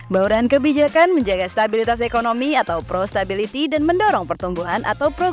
bauran kebijakan menjaga stabilitas ekonomi atau pro stability dan mendorong pertumbuhan atau pro growth